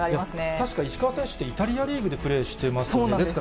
確か、石川選手って、イタリアリーグでプレーしてますよね。